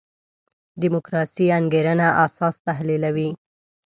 دیموکراسي انګېرنه اساس تحلیلوي.